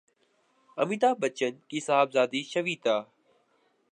امیتابھبچن کی صاحبزادی شویتا